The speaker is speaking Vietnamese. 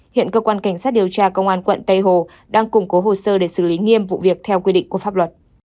hiện cơ quan cảnh sát điều tra công an quận tây hồ đang củng cố hồ sơ để xử lý nghiêm vụ việc theo quy định của pháp luật